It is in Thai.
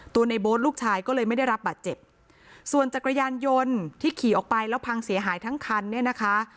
ในโบ๊ทลูกชายก็เลยไม่ได้รับบาดเจ็บส่วนจักรยานยนต์ที่ขี่ออกไปแล้วพังเสียหายทั้งคันเนี่ยนะคะ